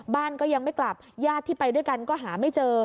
บ้านก็ยังไม่กลับญาติที่ไปด้วยกันก็หาไม่เจอ